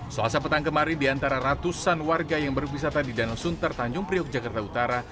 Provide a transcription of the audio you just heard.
selasa petang kemarin di antara ratusan warga yang berwisata di danau sunter tanjung priok jakarta utara